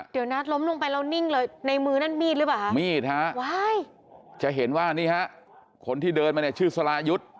เดี๋ยวนัทล้มลงไปแล้วนิ่งเลยในมือนั่นมีดหรือเปล่าฮะมีดฮะจะเห็นว่านี่ฮะคนที่เดินมาเนี่ยชื่อสรายุทธ์